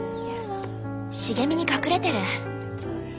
茂みに隠れてる。